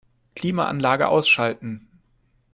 Klimaanlage ausschalten.